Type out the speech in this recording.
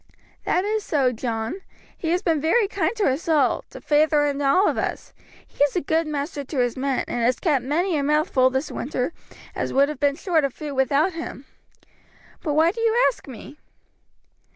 "That is so, John; he has been very kind to us all, to feyther and all of us. He is a good master to his men, and has kept many a mouth full this winter as would have been short of food without him; but why do you ask me?"